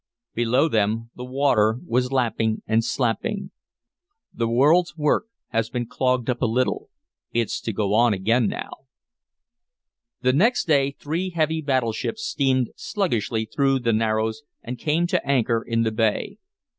Below them the water was lapping and slapping. "The world's work has been clogged up a little. It's to go on again now." The next day three heavy battleships steamed sluggishly through the Narrows and came to anchor in the bay.